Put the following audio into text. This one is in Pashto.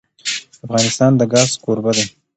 افغانستان د ګاز کوربه دی.